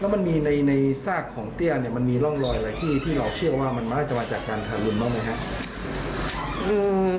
แล้วมันมีในซากของเตี้ยมันมีร่องรอยอะไรที่เราเชื่อว่ามันอาจจะมาจากการถาลุนมากมั้ยครับ